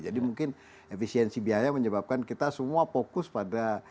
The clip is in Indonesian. jadi mungkin efisiensi biaya menyebabkan kita semua fokus pada